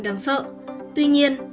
đáng sợ tuy nhiên